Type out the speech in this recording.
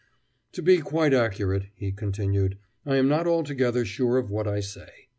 "To be quite accurate," he continued, "I am not altogether sure of what I say.